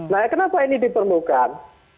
nah kenapa ini diperlukan